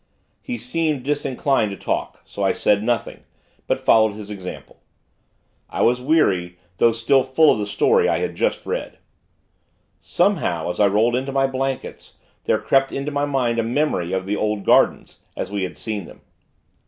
He seemed disinclined to talk; so I said nothing; but followed his example. I was weary; though still full of the story I had just read. Somehow, as I rolled into my blankets, there crept into my mind a memory of the old gardens, as we had seen them.